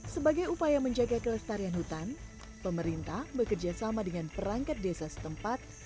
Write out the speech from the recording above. sebagai upaya menjaga kelestarian hutan pemerintah bekerja sama dengan perangkat desa setempat